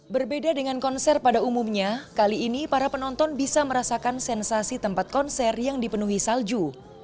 berbeda dengan konser pada umumnya kali ini para penonton bisa merasakan sensasi tempat konser yang dipenuhi salju